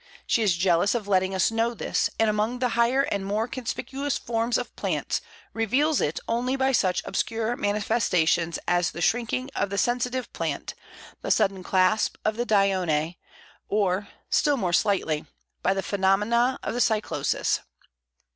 She is jealous of letting us know this; and among the higher and more conspicuous forms of plants reveals it only by such obscure manifestations as the shrinking of the Sensitive Plant, the sudden clasp of the Dionæa, or, still more slightly, by the phenomena of the cyclosis."